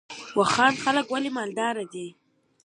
واخان خلک ولې مالدار دي؟